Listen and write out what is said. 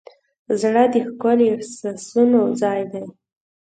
زړه د ښکلي احساسونو ځای دی.